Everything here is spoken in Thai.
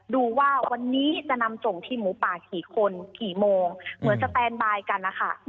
ดูว่าวันนี้จะนำส่งทีมหมูป่ากี่คนกี่โมงเหมือนสแตนบายกันนะคะ